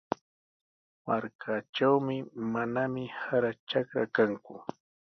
Markaatrawmi manami sara trakra kanku.